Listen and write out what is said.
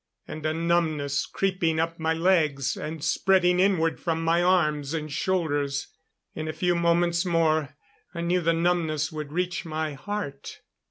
And a numbness creeping up my legs; and spreading inward from my arms and shoulders. In a few moments more, I knew the numbness would reach my heart.